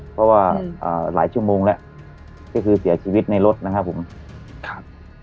เพราะว่าหลายชั่วโมงแล้วก็คือเสียชีวิตในรถนะครับผมครับ